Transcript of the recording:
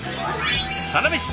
サラメシ